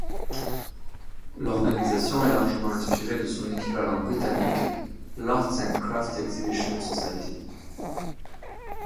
L'organisation est largement inspiré de son équivalent britannique, l'Arts and Crafts Exhibition Society.